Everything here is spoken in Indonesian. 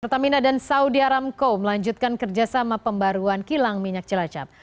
pertamina dan saudi aramco melanjutkan kerjasama pembaruan kilang minyak cilacap